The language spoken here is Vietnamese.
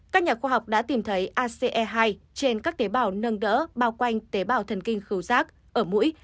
các nhà khoa học đã tìm thấy ace hai trên các tế bào nâng đỡ bao quanh tế bào thần kinh giác ở mũi